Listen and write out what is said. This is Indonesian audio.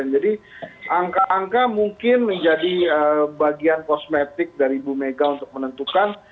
jadi angka angka mungkin menjadi bagian kosmetik dari bumega untuk menentukan